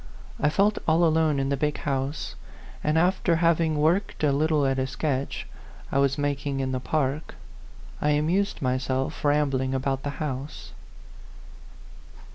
I felt all alone in the big house, and after hav ing worked a little at a sketch I was mak ing in the park, I amused myself rambling about the house.